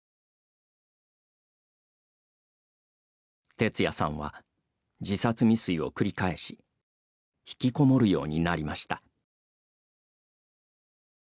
テツヤさんは自殺未遂を繰り返し引きこもるようになりました。